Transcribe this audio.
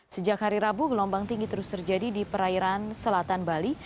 sejak hari rabu gelombang tinggi terus terjadi di perairan selatan bali